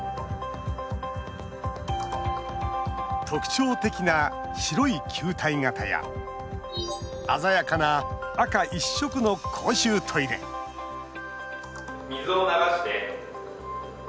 特徴的な白い球体形や鮮やかな赤一色の公衆トイレ水を流して。